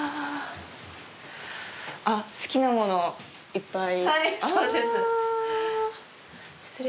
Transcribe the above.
好きなものをいっぱい。